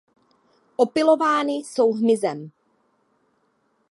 Opylovány jsou hmyzem.